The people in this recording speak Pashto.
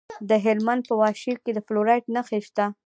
د هلمند په واشیر کې د فلورایټ نښې شته.